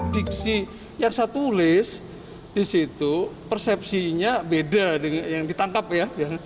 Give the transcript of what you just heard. diksi yang saya tulis di situ persepsinya beda dengan yang ditangkap ya